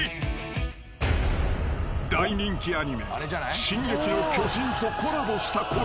［大人気アニメ『進撃の巨人』とコラボしたこれ］